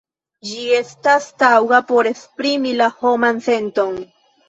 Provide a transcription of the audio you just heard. Ĝi estas taŭga por esprimi la homan senton.